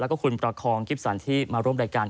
แล้วก็คุณประคองกิฟสันที่มาร่วมรายการ